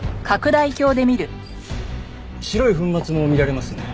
白い粉末も見られますね。